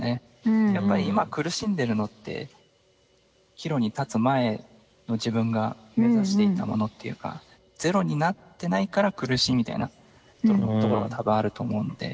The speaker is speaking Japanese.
やっぱり今苦しんでるのって岐路に立つ前の自分が目指していたものっていうかゼロになってないから苦しいみたいなところがたぶんあると思うんで。